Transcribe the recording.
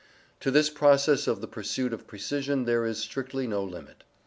To this process of the pursuit of precision there is strictly no limit.